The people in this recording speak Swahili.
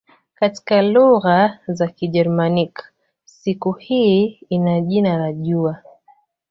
Katika lugha za Kigermanik siku hii ina jina la "jua".